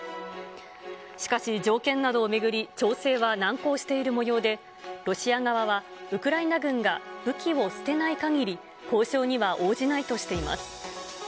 しかし、条件などを巡り、調整は難航しているもようで、ロシア側はウクライナ軍が武器を捨てないかぎり、交渉には応じないとしています。